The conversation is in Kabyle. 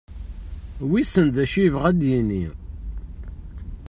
Wissen d acu i yebɣa ad d-yini?